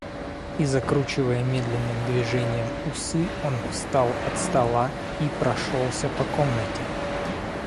И, закручивая медленным движением усы, он встал от стола и прошелся по комнате.